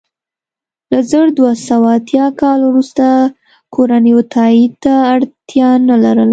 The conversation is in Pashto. له زر دوه سوه اتیا کال وروسته کورنیو تایید ته اړتیا نه لرله.